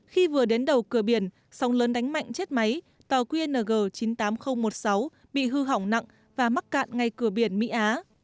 khi vừa đến đầu cửa biển sóng lớn đánh mạnh chết máy tàu qng chín mươi tám nghìn một mươi sáu bị hư hỏng nặng và mắc cạn ngay cửa biển mỹ á